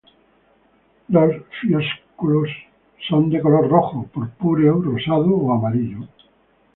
Los flósculos son de color rojo, purpúreo, rosado o amarillo.